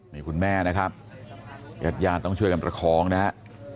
นี่คุณแม่นะครับญาติญาติต้องช่วยกันประคองนะฮะ